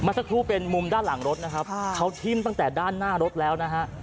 สักครู่เป็นมุมด้านหลังรถนะครับเขาทิ้มตั้งแต่ด้านหน้ารถแล้วนะฮะ